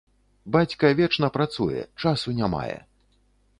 Бацька вечна працуе, часу не мае.